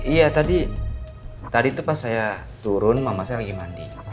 iya tadi tadi tuh pas saya turun mama saya lagi mandi